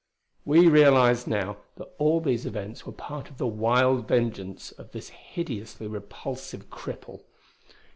We realized now that all these events were part of the wild vengeance of this hideously repulsive cripple.